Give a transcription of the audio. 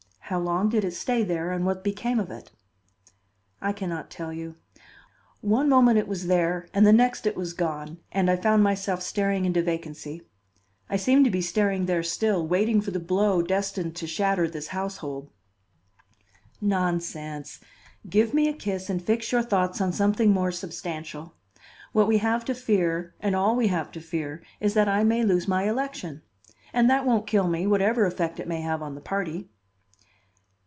How long did it stay there and what became of it?" "I can not tell you. One moment it was there and the next it was gone, and I found myself staring into vacancy. I seem to be staring there still, waiting for the blow destined to shatter this household." "Nonsense! give me a kiss and fix your thoughts on something more substantial. What we have to fear and all we have to fear is that I may lose my election. And that won't kill me, whatever effect it may have on the party."